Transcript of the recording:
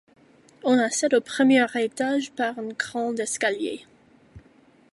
On accède au premier étage par un grand escalier.